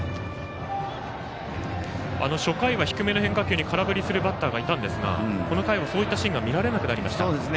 初回は低めの変化球に空振りするバッターがいたんですがこの回はそういったシーンが見られなくなりました。